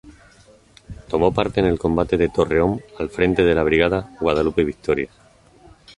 Tomó parte en el combate de Torreón al frente de la Brigada "Guadalupe Victoria".